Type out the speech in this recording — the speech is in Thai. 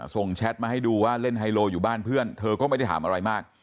แชทมาให้ดูว่าเล่นไฮโลอยู่บ้านเพื่อนเธอก็ไม่ได้ถามอะไรมาก